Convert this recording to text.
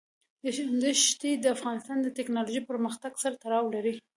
ښتې د افغانستان د تکنالوژۍ پرمختګ سره تړاو لري.